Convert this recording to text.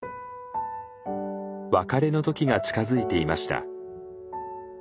別れの時が近づいていました。